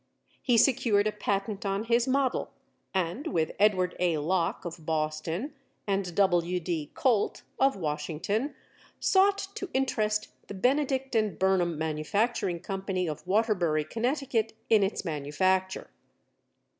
He secured a patent on his model, and with Edward A. Locke, of Boston, and W. D. Colt, of Washington, sought to interest the Benedict & Burnham Manufacturing Company, of Waterbury, Connecticut, in its manufacture.